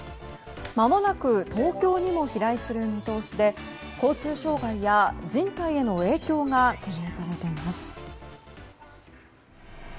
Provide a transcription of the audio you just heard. まもなく東京にも飛来する見通しで交通障害や人体への影響が懸念されています。